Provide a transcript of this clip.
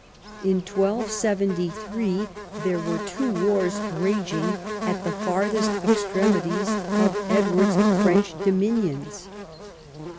In 1273 there were two wars raging at the farthest extremities of Edward's French dominions.